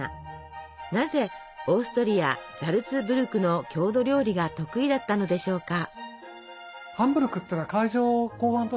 なぜオーストリアザルツブルクの郷土料理が得意だったのでしょうか？